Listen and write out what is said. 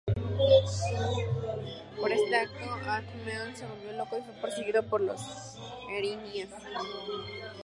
Por este acto, Alcmeón se volvió loco y fue perseguido por las Erinias.